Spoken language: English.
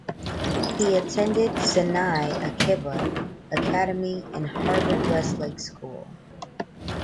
He attended Sinai Akiba Academy and Harvard-Westlake School.